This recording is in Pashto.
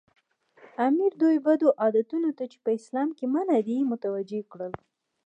امیر دوی بدو عادتونو ته چې په اسلام کې منع دي متوجه کړل.